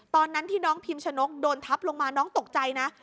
ตอนนั้นที่น้องพิมชนกโดนทับลงมาน้องตกใจนะ